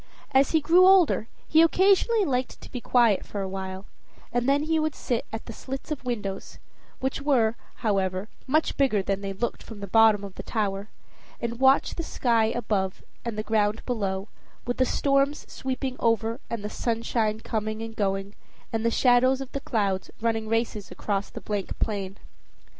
As he grew older, he occasionally liked to be quiet for a while, and then he would sit at the slits of windows which were, however, much bigger than they looked from the bottom of the tower and watch the sky above and the ground below, with the storms sweeping over and the sunshine coming and going, and the shadows of the clouds running races across the blank plain.